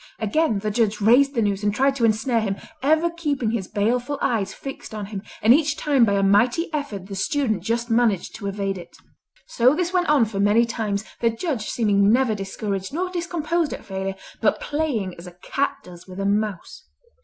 Again the Judge raised the noose and tried to ensnare him, ever keeping his baleful eyes fixed on him, and each time by a mighty effort the student just managed to evade it. So this went on for many times, the Judge seeming never discouraged nor discomposed at failure, but playing as a cat does with a mouse.